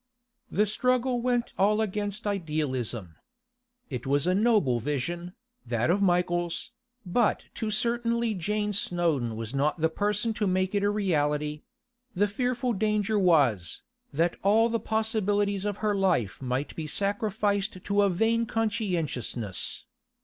The struggle went all against idealism. It was a noble vision, that of Michael's, but too certainly Jane Snowdon was not the person to make it a reality; the fearful danger was, that all the possibilities of her life might be sacrificed to a vain conscientiousness.